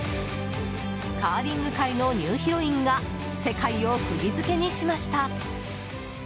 カーリング界のニューヒロインが世界を釘付けにしました！